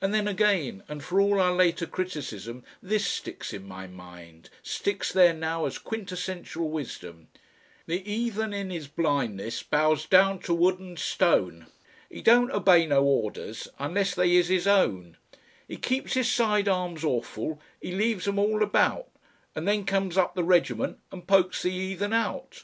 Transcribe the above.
And then again, and for all our later criticism, this sticks in my mind, sticks there now as quintessential wisdom: "The 'eathen in 'is blindness bows down to wood an' stone; 'E don't obey no orders unless they is 'is own; 'E keeps 'is side arms awful: 'e leaves 'em all about An' then comes up the regiment an' pokes the 'eathen out.